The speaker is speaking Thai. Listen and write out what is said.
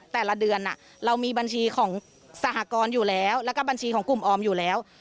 แต่ละเดือนเรามีบัญชีของสหกรณ์อยู่แล้วแล้วก็บัญชีของกลุ่มออมอยู่แล้ว